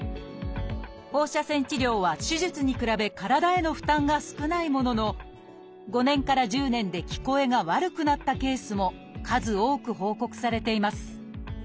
放射線治療は手術に比べ体への負担が少ないものの５年から１０年で聞こえが悪くなったケースも数多く報告されています。